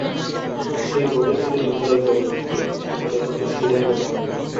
সেটা ঘটেছিল হিমালয় পর্বতে, এটা ঘটল শিলঙ পাহাড়ে।